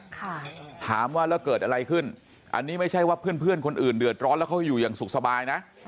ถามว่าแล้วเกิดอะไรขึ้นอันนี้ไม่ใช่ว่าเพื่อนเพื่อนคนอื่นเดือดร้อนแล้วเขาอยู่อย่างสุขสบายนะ